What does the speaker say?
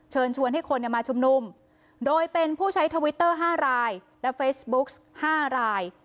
เชิญชวนให้คนมาชุมนุมโดยเป็นผู้ใช้ทวิตเตอร์๕รายและเฟซบุ๊ก๕ราย